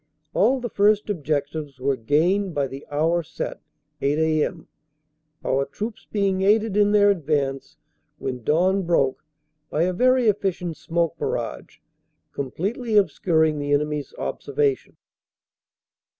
All the first objectives were gained by the hour set, 8 a.m., our troops being aided in their advance when dawn broke by a very efficient smoke barrage, completely obscuring the enemy s observation.